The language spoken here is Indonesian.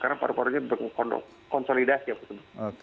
karena paru parunya konsolidasi betul